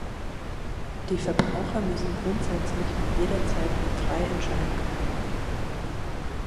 Die Verbraucher müssen grundsätzlich und jederzeit frei entscheiden können.